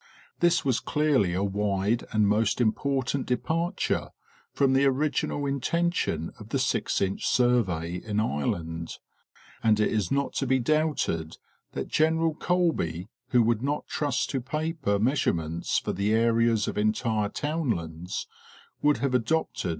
This was clearly a.wide and most important departure from the original intention of the six inch survey in Ireland, and it is not to be doubted that General Colby, who would not trust to paper measurements for the areas of entire townlands, would have adopted.